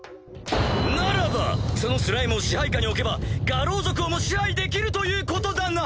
ならばそのスライムを支配下に置けば牙狼族をも支配できるということだな！